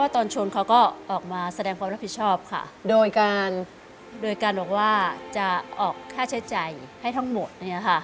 โดยการบอกว่าจะออกค่าใช้ใจให้ทั้งหมดเนี่ยค่ะ